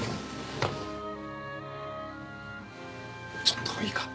ちょっといいか？